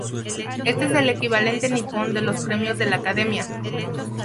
Este es el equivalente nipón de los premios de la academia.